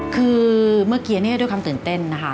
คือเมื่อกี้ด้วยความตื่นเต้นนะคะ